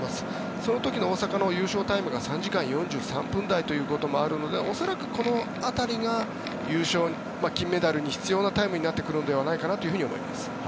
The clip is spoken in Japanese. その時の大阪の優勝タイムが３時間４３分台ということもあるので恐らくこの辺りが優勝金メダルに必要なタイムになってくるのではないかなと思います。